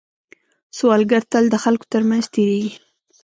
سوالګر تل د خلکو تر منځ تېرېږي